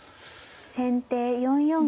先手４四銀。